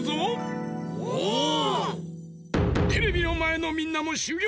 テレビのまえのみんなもしゅぎょうじゃ。